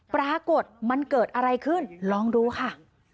ปรากฏมันเกิดอะไรขึ้นลองดูค่ะ